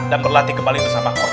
dan berlatih kembali bersama kortoselki